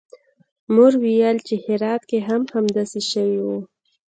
مور ویل چې هرات کې هم همداسې شوي وو